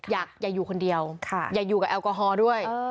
อย่าอยู่คนเดียวอย่าอยู่กับแอลกอฮอล์ด้วย